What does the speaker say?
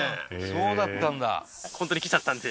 そうだったんだ